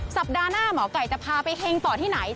สัปดาห์หน้าหมอไก่จะพาไปเฮงต่อที่ไหน